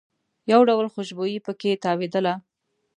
یو ډول خوشبويي په کې تاوېدله.